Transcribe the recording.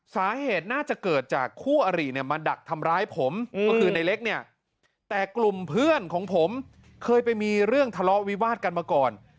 สาเหตุน่าจะเกิดจากคู่อริเนี่ยมาดักทำร้ายผมก็คือในเล็กเนี่ยแต่กลุ่มเพื่อนของผมเคยไปมีเรื่องทะเลาะวิวาดกันมาก่อน